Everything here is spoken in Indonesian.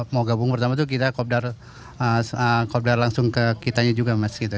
mau gabung pertama itu kita coplier langsung ke kitanya juga mas gitu